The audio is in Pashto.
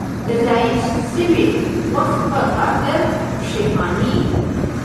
د ضایع شوي وخت په خاطر پښېماني.